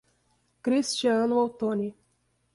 Cristiano Otoni